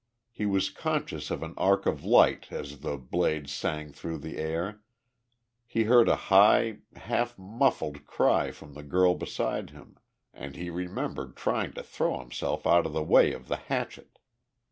He was conscious of an arc of light as the blade sang through the air; he heard a high, half muffled cry from the girl beside him; and he remembered trying to throw himself out of the way of the hatchet.